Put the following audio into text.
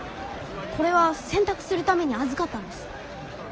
これは洗濯するために預かったんです。